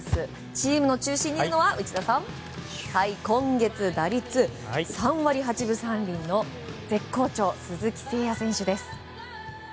チームの中心にいるのは今月打率３割８分３厘の絶好調鈴木誠也選手です。